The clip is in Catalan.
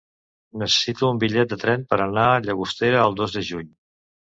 Necessito un bitllet de tren per anar a Llagostera el dos de juny.